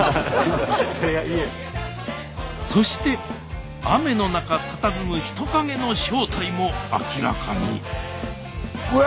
そして雨の中たたずむ人影の正体も明らかにえ！